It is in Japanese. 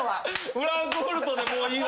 フランクフルトでもういいわ。